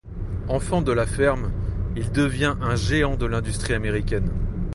Enfant de la ferme, il devient un géant de l'industrie américaine.